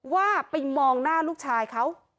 ว่าไปมองหน้าลูกชายเขา